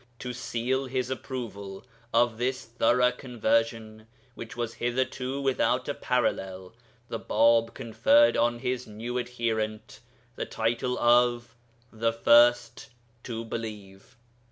To seal his approval of this thorough conversion, which was hitherto without a parallel, the Bāb conferred on his new adherent the title of 'The First to Believe.'